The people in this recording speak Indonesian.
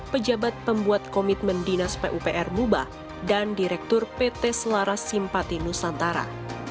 pejabat pembuat komitmen dinas pupr mubah dan direktur pt selaras simpati nusantara